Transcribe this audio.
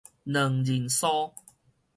卵仁酥